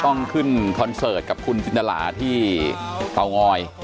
ต้องขึ้นคอนเสิร์ตกับคุณจินตราที่เตางอย